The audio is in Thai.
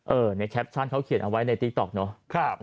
เออในแชปซานเขาเขียนเอาไว้ในติ๊กต๊อกเนอะครับ